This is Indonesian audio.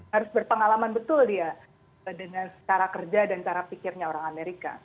harus berpengalaman betul dia dengan cara kerja dan cara pikirnya orang amerika